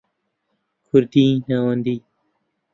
کوردیی ناوەندی